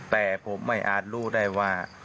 แต่ผมไม่อาจรู้ได้ว่า